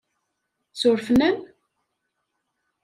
Surfen-am?